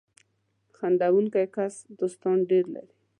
• خندېدونکی کس دوستان ډېر لري.